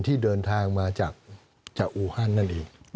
ที่เดินทางมาจากอูฮันนั่นเอง